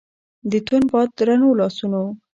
د توند باد درنو لاسونو